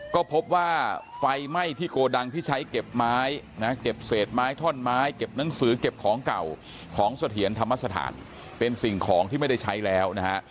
ก็พบว่าไฟไหม้ที่โกดังที่ใช้เก็บไม้นะเก็บเศษไม้ท่อนไม้เก็บหนังสือเก็บของเก่าของเสถียรธรรมสถานเป็นสิ่งของที่ไม่ได้ใช้แล้วนะฮะ